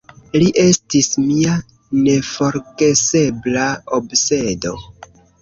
Li estis mia neforgesebla obsedo.